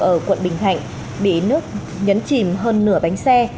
ở quận bình thạnh bị nước nhấn chìm hơn nửa bánh xe